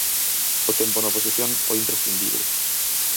O tempo na oposición foi imprescindíbel.